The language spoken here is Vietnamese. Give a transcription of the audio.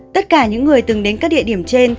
tất cả những người từng đến các địa điểm trên